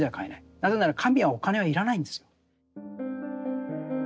なぜなら神はお金は要らないんですよ。